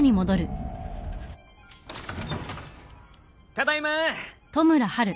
ただいま。